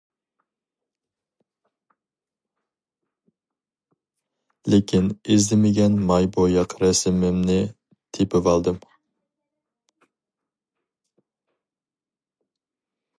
لېكىن ئىزدىمىگەن ماي بوياق رەسىمىمنى تېپىۋالدىم.